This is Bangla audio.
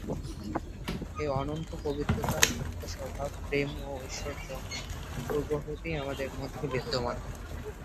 এই অনন্ত পবিত্রতা, মুক্তস্বভাব, প্রেম ও ঐশ্বর্য পূর্ব হইতেই আমাদের মধ্যে বিদ্যমান।